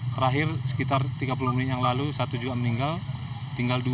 terakhir sekitar tiga puluh menit yang lalu satu juga meninggal tinggal dua